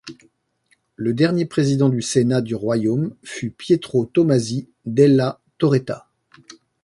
Le dernier président du Sénat du royaume fut Pietro Tomasi della Torretta.